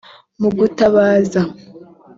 mu gutabaza